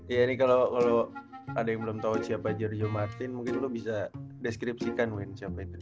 iya ini kalo kalo ada yang belum tau siapa giorgio martin mungkin lo bisa deskripsikan men siapa giorgio martin